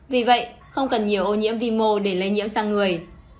vì vậy không cần nhiều ô nhiễm vi mô để lây nhiễm sang người